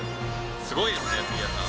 すごいですね杉谷さん。